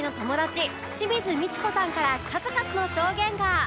清水ミチコさんから数々の証言が